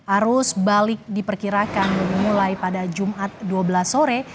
arus balik diperkirakan mulai pada jumat dua belas sore